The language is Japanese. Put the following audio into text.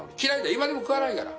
今でも食わないから。